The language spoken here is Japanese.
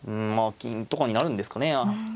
金とかになるんですかね。